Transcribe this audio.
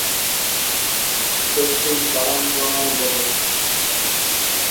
এ সেই বারাঙ্গনাই বটে।